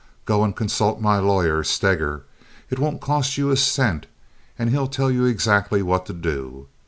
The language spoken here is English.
Go and consult my lawyer—Steger. It won't cost you a cent, and he'll tell you exactly what to do.